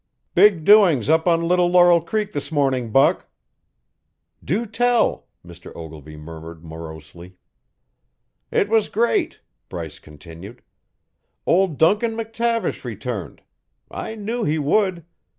"Big doings up on Little Laurel Creek this morning, Buck." "Do tell!" Mr. Ogilvy murmured morosely. "It was great," Bryce continued. "Old Duncan McTavish returned. I knew he would.